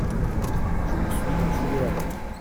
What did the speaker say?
Je me suis échaudé la main !